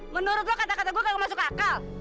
menurut lu kata kata gue gak masuk akal